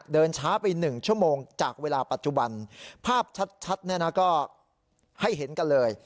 เดินช้าไป๑ชั่วโมงจากเวลาปัจจุบันภาพชัดก็ให้เห็นกันเลย